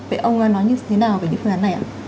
vậy ông nói như thế nào về những phương án này ạ